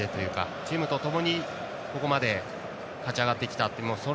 チームとともにここまで勝ち上がってきたと。